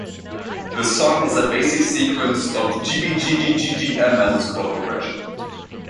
The song has a basic sequence of G-B-G-D-G-Dm as its chord progression.